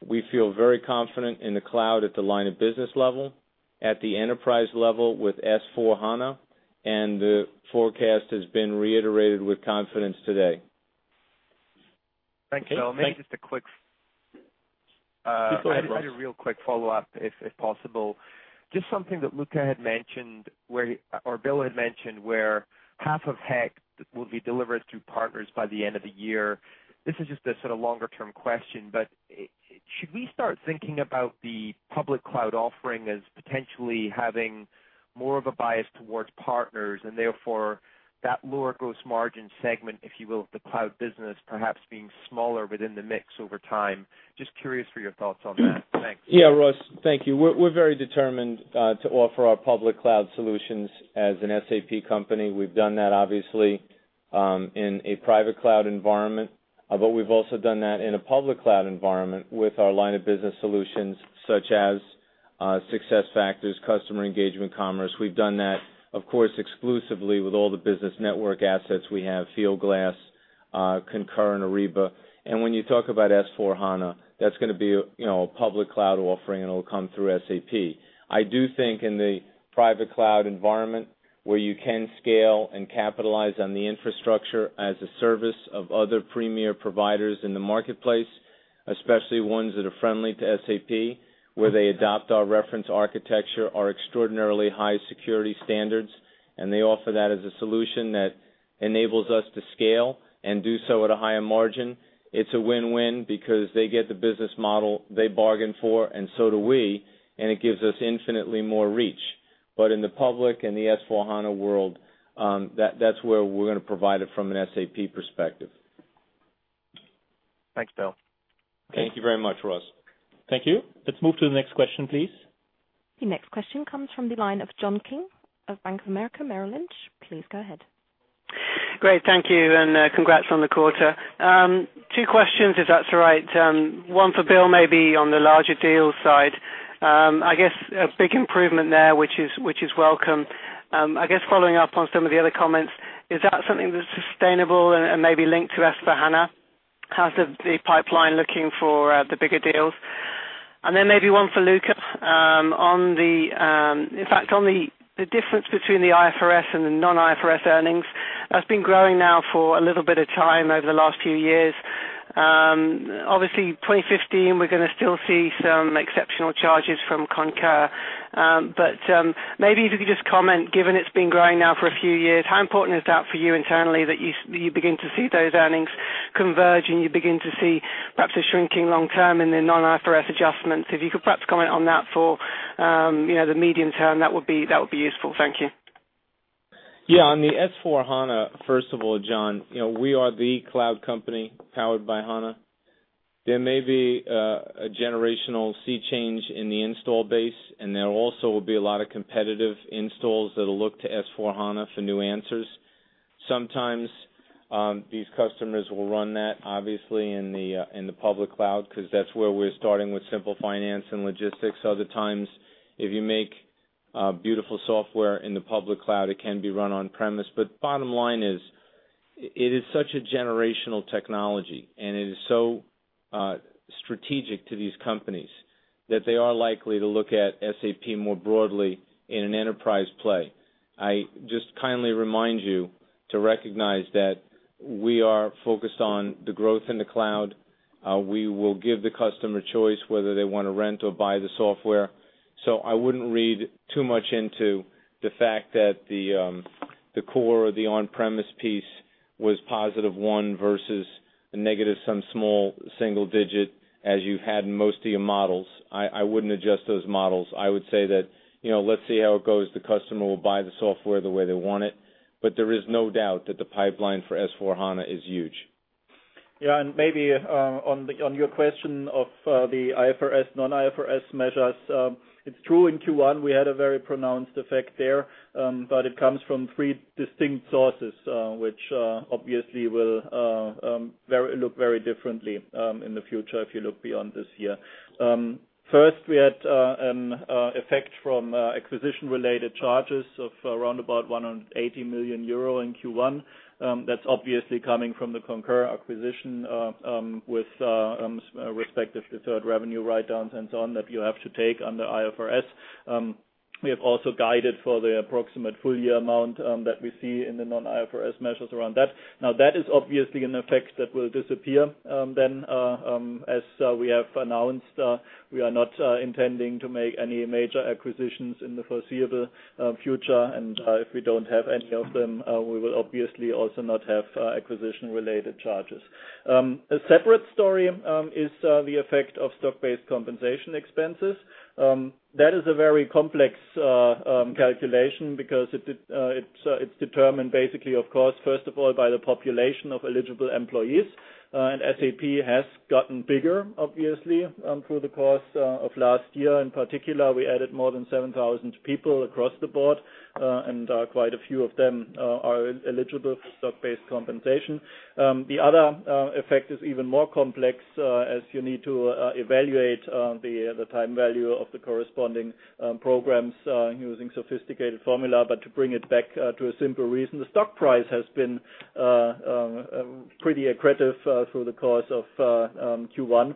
We feel very confident in the cloud at the line of business level, at the enterprise level with S/4HANA, and the forecast has been reiterated with confidence today. Thanks, Bill. Maybe just a quick- Go ahead I had a real quick follow-up, if possible. Just something that Luka had mentioned, or Bill had mentioned, where half of HEC will be delivered through partners by the end of the year. This is just a sort of longer-term question, but should we start thinking about the public cloud offering as potentially having more of a bias towards partners, and therefore that lower gross margin segment, if you will, of the cloud business perhaps being smaller within the mix over time? Just curious for your thoughts on that. Thanks. Yeah, Ross. Thank you. We're very determined to offer our public cloud solutions as an SAP company. We've done that obviously in a private cloud environment, but we've also done that in a public cloud environment with our line of business solutions such as SuccessFactors, SAP Cloud for Customer, Commerce. We've done that, of course, exclusively with all the business network assets we have, Fieldglass, Concur, and Ariba. When you talk about S/4HANA, that's going to be a public cloud offering, and it'll come through SAP. I do think in the private cloud environment where you can scale and capitalize on the infrastructure as a service of other premier providers in the marketplace, especially ones that are friendly to SAP, where they adopt our reference architecture, our extraordinarily high security standards, and they offer that as a solution that enables us to scale and do so at a higher margin. It's a win-win because they get the business model they bargain for, and so do we, and it gives us infinitely more reach. In the public and the S/4HANA world, that's where we're going to provide it from an SAP perspective. Thanks, Bill. Thank you very much, Ross. Thank you. Let's move to the next question, please. The next question comes from the line of John King of Bank of America Merrill Lynch. Please go ahead. Great. Thank you, and congrats on the quarter. Two questions, if that's all right. One for Bill, maybe on the larger deals side. I guess a big improvement there, which is welcome. I guess following up on some of the other comments, is that something that's sustainable and maybe linked to S/4HANA? How's the pipeline looking for the bigger deals? Maybe one for Luka. In fact, on the difference between the IFRS and the non-IFRS earnings. That's been growing now for a little bit of time over the last few years. Obviously, 2015, we're going to still see some exceptional charges from Concur. Maybe if you could just comment, given it's been growing now for a few years, how important is that for you internally that you begin to see those earnings converge and you begin to see perhaps a shrinking long term in the non-IFRS adjustments? If you could perhaps comment on that for the medium term, that would be useful. Thank you. On the S/4HANA, first of all, John, we are the cloud company powered by HANA. There may be a generational sea change in the install base, and there also will be a lot of competitive installs that'll look to S/4HANA for new answers. Sometimes, these customers will run that obviously in the public cloud because that's where we're starting with Simple Finance and Logistics. Other times, if you make beautiful software in the public cloud, it can be run on premise. Bottom line is, it is such a generational technology, and it is so strategic to these companies that they are likely to look at SAP more broadly in an enterprise play. I just kindly remind you to recognize that we are focused on the growth in the cloud. We will give the customer choice whether they want to rent or buy the software. I wouldn't read too much into the fact that the core of the on-premise piece was positive one versus a negative some small single digit as you had in most of your models. I wouldn't adjust those models. I would say that, let's see how it goes. The customer will buy the software the way they want it. There is no doubt that the pipeline for S/4HANA is huge. Yeah, maybe on your question of the IFRS, non-IFRS measures. It's true in Q1, we had a very pronounced effect there, but it comes from three distinct sources, which obviously will look very differently in the future if you look beyond this year. First, we had an effect from acquisition-related charges of around 180 million euro in Q1. That's obviously coming from the Concur acquisition with respect of deferred revenue write-downs and so on that you have to take under IFRS. We have also guided for the approximate full year amount that we see in the non-IFRS measures around that. That is obviously an effect that will disappear then. As we have announced, we are not intending to make any major acquisitions in the foreseeable future. If we don't have any of them, we will obviously also not have acquisition-related charges. A separate story is the effect of stock-based compensation expenses. That is a very complex calculation because it's determined basically, of course, first of all, by the population of eligible employees. SAP has gotten bigger, obviously, through the course of last year. In particular, we added more than 7,000 people across the board, and quite a few of them are eligible for stock-based compensation. The other effect is even more complex, as you need to evaluate the time value of the corresponding programs using sophisticated formula. To bring it back to a simple reason, the stock price has been pretty aggressive through the course of Q1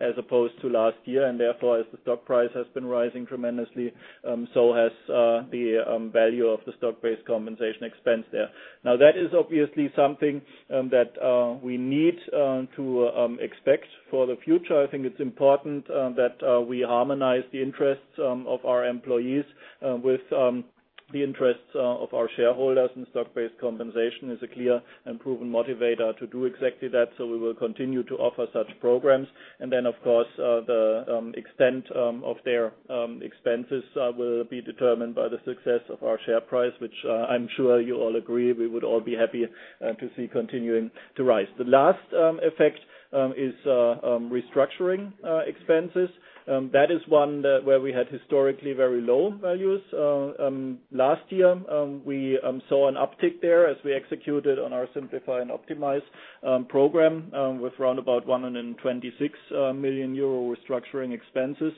as opposed to last year. Therefore, as the stock price has been rising tremendously, so has the value of the stock-based compensation expense there. That is obviously something that we need to expect for the future. I think it's important that we harmonize the interests of our employees with the interests of our shareholders. Stock-based compensation is a clear and proven motivator to do exactly that, so we will continue to offer such programs. Then, of course, the extent of their expenses will be determined by the success of our share price, which I'm sure you all agree we would all be happy to see continuing to rise. The last effect is restructuring expenses. That is one where we had historically very low values. Last year, we saw an uptick there as we executed on our Simplify and Optimize program with round about 126 million euro restructuring expenses.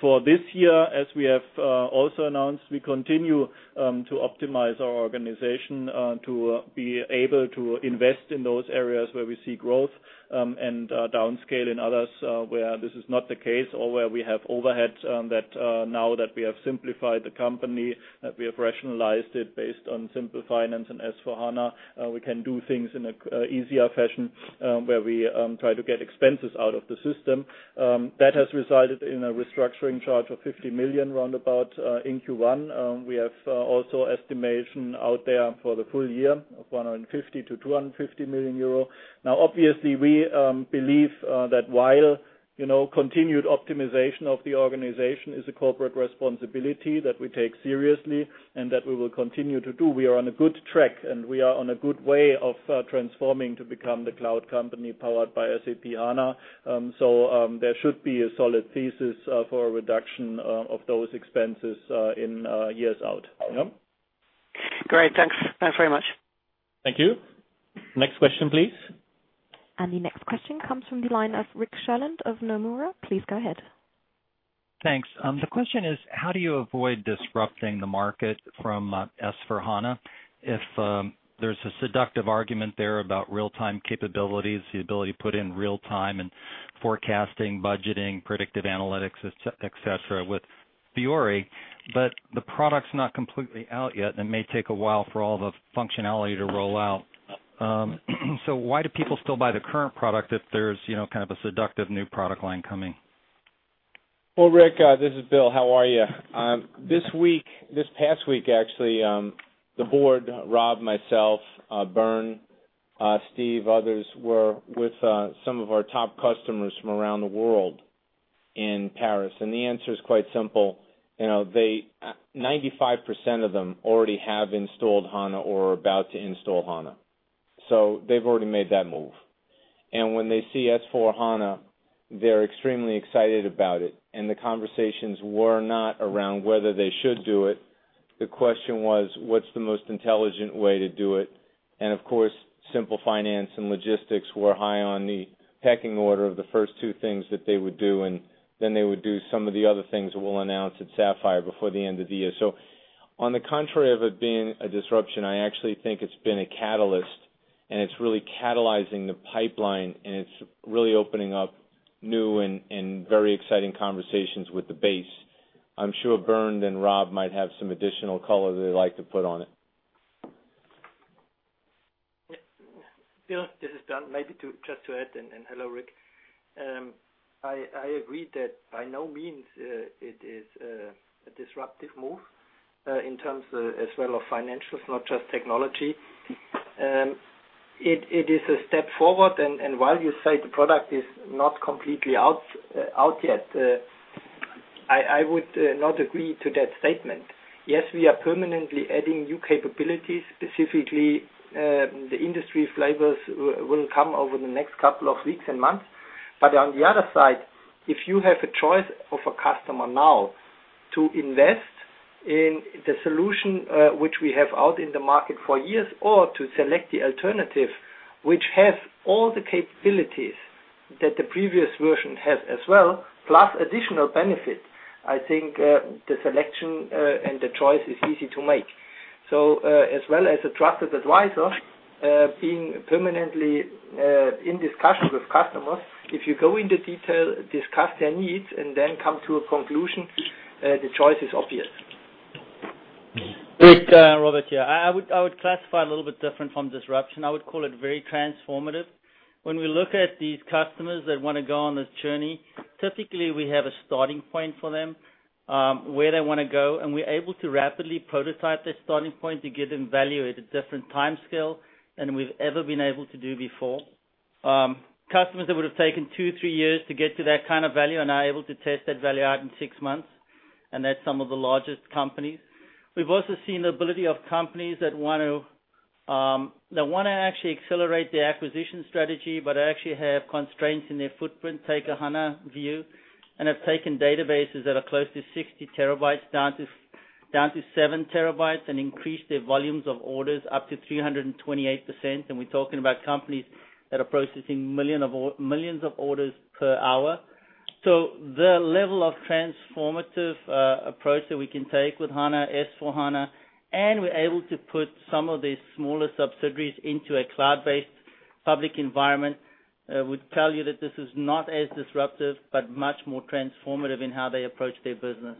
For this year, as we have also announced, we continue to optimize our organization to be able to invest in those areas where we see growth, and downscale in others where this is not the case or where we have overheads that now that we have simplified the company, that we have rationalized it based on SAP Simple Finance and SAP S/4HANA, we can do things in an easier fashion, where we try to get expenses out of the system. That has resulted in a restructuring charge of 50 million roundabout in Q1. We have also estimation out there for the full year of 150 million to 250 million euro. Obviously, we believe that while continued optimization of the organization is a corporate responsibility that we take seriously and that we will continue to do, we are on a good track, and we are on a good way of transforming to become the cloud company powered by SAP HANA. There should be a solid thesis for a reduction of those expenses in years out. Yeah. Great. Thanks. Thanks very much. Thank you. Next question, please. The next question comes from the line of Rick Sherlund of Nomura. Please go ahead. Thanks. The question is, how do you avoid disrupting the market from S/4HANA? If there's a seductive argument there about real-time capabilities, the ability to put in real time and forecasting, budgeting, predictive analytics, et cetera, with Fiori. The product's not completely out yet, and it may take a while for all the functionality to roll out. Why do people still buy the current product if there's kind of a seductive new product line coming? Well, Rick, this is Bill. How are you? This past week, actually the board, Rob, myself, Bernd, Steve, others, were with some of our top customers from around the world in Paris. The answer is quite simple. 95% of them already have installed HANA or are about to install HANA. They've already made that move. When they see S/4HANA, they're extremely excited about it, and the conversations were not around whether they should do it. The question was, what's the most intelligent way to do it? Of course, Simple Finance and Simple Logistics were high on the pecking order of the first two things that they would do, and then they would do some of the other things that we'll announce at Sapphire before the end of the year. On the contrary of it being a disruption, I actually think it's been a catalyst, and it's really catalyzing the pipeline, and it's really opening up new and very exciting conversations with the base. I'm sure Bernd and Rob might have some additional color they'd like to put on it. Bill, this is Bernd. Maybe just to add, hello, Rick. I agree that by no means it is a disruptive move in terms as well of financials, not just technology. It is a step forward, and while you say the product is not completely out yet, I would not agree to that statement. Yes, we are permanently adding new capabilities. Specifically, the industry flavors will come over the next couple of weeks and months. On the other side, if you have a choice of a customer now to invest in the solution which we have out in the market for years, or to select the alternative, which has all the capabilities that the previous version has as well, plus additional benefits, I think the selection and the choice is easy to make. As well as a trusted advisor, being permanently in discussion with customers, if you go into detail, discuss their needs and then come to a conclusion, the choice is obvious. Robert here. I would classify it a little bit different from disruption. I would call it very transformative. When we look at these customers that want to go on this journey, typically, we have a starting point for them, where they want to go, and we're able to rapidly prototype their starting point to give them value at a different timescale than we've ever been able to do before. Customers that would've taken two, three years to get to that kind of value are now able to test that value out in six months, and that's some of the largest companies. We've also seen the ability of companies that want to actually accelerate their acquisition strategy, but actually have constraints in their footprint, take a HANA view, and have taken databases that are close to 60 terabytes down to seven terabytes and increased their volumes of orders up to 328%, and we're talking about companies that are processing millions of orders per hour. The level of transformative approach that we can take with HANA, S/4HANA, and we're able to put some of these smaller subsidiaries into a cloud-based public environment, would tell you that this is not as disruptive but much more transformative in how they approach their business.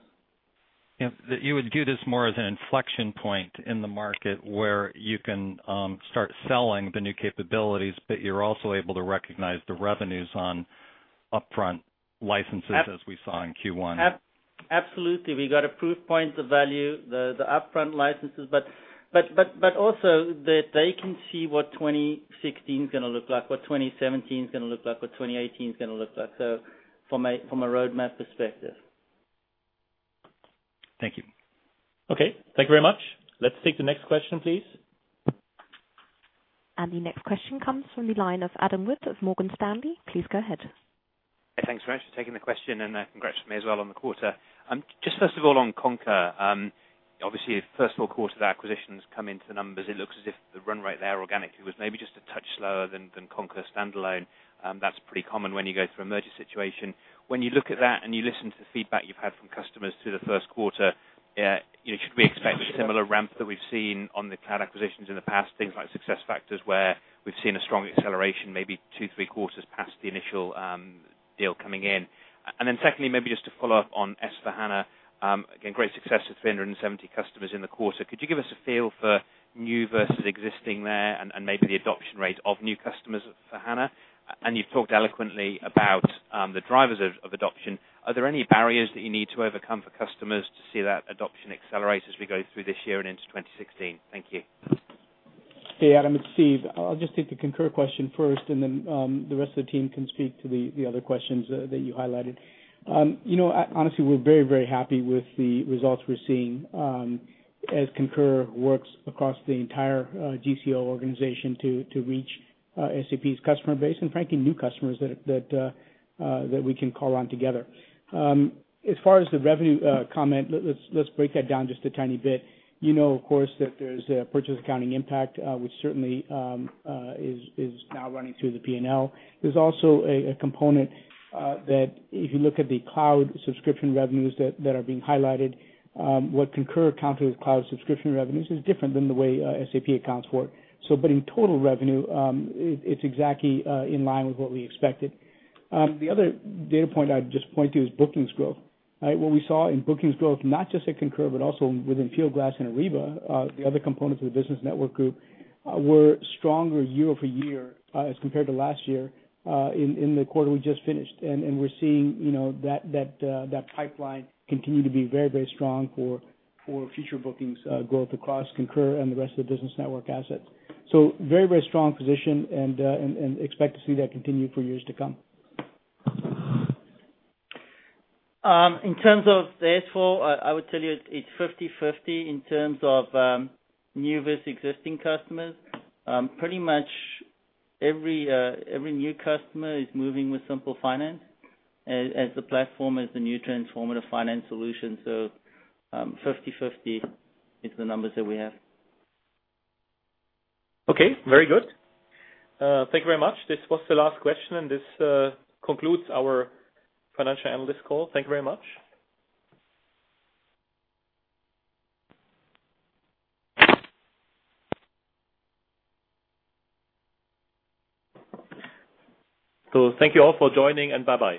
You would view this more as an inflection point in the market where you can start selling the new capabilities, but you're also able to recognize the revenues on upfront licenses. Ab- -as we saw in Q1. Absolutely. We got a proof point of value, the upfront licenses. Also, that they can see what 2016 is going to look like, what 2017 is going to look like, what 2018 is going to look like. From a roadmap perspective. Thank you. Okay. Thank you very much. Let's take the next question, please. The next question comes from the line of Adam Wood of Morgan Stanley. Please go ahead. Thanks very much for taking the question, and congrats from me as well on the quarter. First of all on Concur. Obviously, first full quarter of the acquisition has come into the numbers. It looks as if the run rate there organically was maybe just a touch slower than Concur standalone. That's pretty common when you go through a merger situation. When you look at that and you listen to the feedback you've had from customers through the first quarter, should we expect a similar ramp that we've seen on the cloud acquisitions in the past, things like SuccessFactors, where we've seen a strong acceleration, maybe two, three quarters past the initial deal coming in? Then secondly, maybe just to follow up on SAP S/4HANA. Again, great success with 370 customers in the quarter. Could you give us a feel for new versus existing there and maybe the adoption rate of new customers for SAP HANA? You've talked eloquently about the drivers of adoption. Are there any barriers that you need to overcome for customers to see that adoption accelerate as we go through this year and into 2016? Thank you. Hey, Adam. It's Steve. I'll just take the Concur question first, then the rest of the team can speak to the other questions that you highlighted. Honestly, we're very happy with the results we're seeing as Concur works across the entire GCO organization to reach SAP's customer base, and frankly, new customers that we can call on together. As far as the revenue comment, let's break that down just a tiny bit. You know, of course, that there's a purchase accounting impact, which certainly is now running through the P&L. There's also a component that if you look at the cloud subscription revenues that are being highlighted, what Concur accounted with cloud subscription revenues is different than the way SAP accounts for it. In total revenue, it's exactly in line with what we expected. The other data point I'd just point to is bookings growth. What we saw in bookings growth, not just at Concur, but also within Fieldglass and Ariba, the other components of the SAP Business Network, were stronger year-over-year as compared to last year in the quarter we just finished. We're seeing that pipeline continue to be very strong for future bookings growth across Concur and the rest of the SAP Business Network assets. Very strong position and expect to see that continue for years to come. In terms of the S/4, I would tell you it's 50/50 in terms of new versus existing customers. Pretty much every new customer is moving with SAP Simple Finance as the platform, as the new transformative finance solution. 50/50 is the numbers that we have. Okay. Very good. Thank you very much. This was the last question, and this concludes our financial analyst call. Thank you very much. Thank you all for joining, and bye-bye.